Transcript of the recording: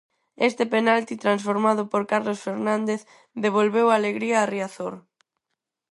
Este penalti transformado por Carlos Fernández devolveu a alegría a Riazor.